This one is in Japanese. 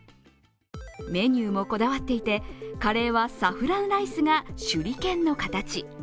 メニューもこだわっていてカレーはサフランライスが手裏剣の形。